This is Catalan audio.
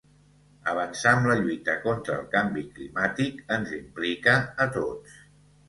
Avançar amb la lluita contra el canvi climàtic ens implica a tots.